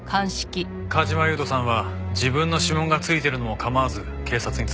梶間優人さんは自分の指紋が付いているのも構わず警察に通報した。